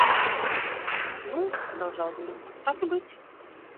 – Ну, – продолжал Зурин, – так и быть.